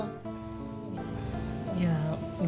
ya disanggup sanggupin